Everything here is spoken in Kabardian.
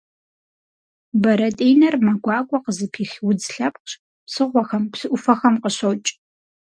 Бэрэтӏинэр мэ гуакӏуэ къызыпих удз лъэпкъщ, псыхъуэхэм, псы ӏуфэхэм къыщокӏ.